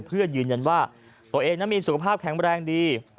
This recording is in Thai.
เพื่อยืนยันว่าตัวเองนั้นมีสุขภาพแข็งแรงดี